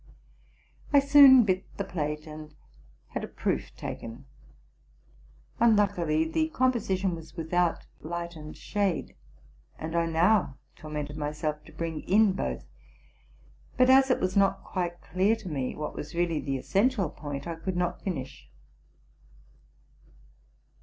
I soon bit the plate and had a proof taken Unluckily the composition was without light and shade, and RELATING TO MY LIFE. 289 I now tormented myself to bring in both; but, as it was not quite clear to me what was really the essential point, I could not finish.